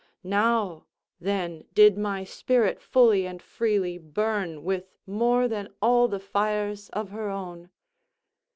Now, then, did my spirit fully and freely burn with more than all the fires of her own.